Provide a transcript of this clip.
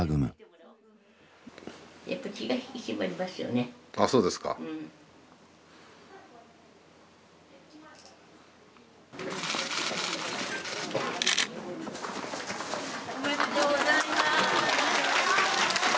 おめでとうございます。